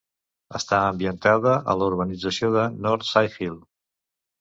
Està ambientada a la urbanització de North Sighthill.